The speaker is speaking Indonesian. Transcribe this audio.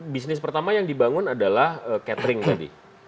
bisnis pertama yang dibangun adalah catering tadi